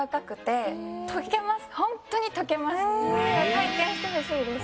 体験してほしいです。